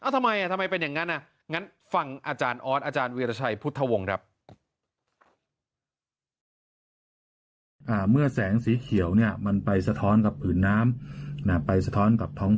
ทำไมเป็นอย่างนั้นฟังอาจารย์ออสอาจารย์เวียดาชัยพุทธวงศ์